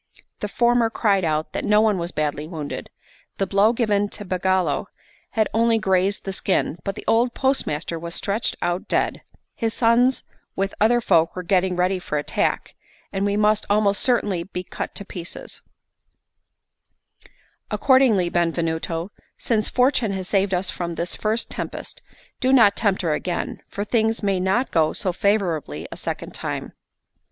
The former cried out that no one was badly wounded; the blow given to Pagolo had only grazed the skin, but the old postmaster was stretched out dead; his sons with other folk were getting ready for attack, and we must almost certainly be cut to pieces: "Accordingly, Benvenuto, since fortune has saved us from this first tempest, do not tempt her again, for things may not go so favourably a second time."